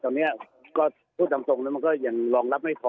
ตอนนี้ก็พูดตามตรงนะมันก็ยังรองรับไม่พอ